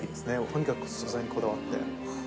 とにかく素材にこだわって。